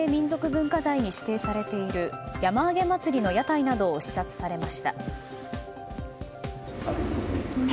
文化財に指定されている山あげ祭の屋台などを視察されました。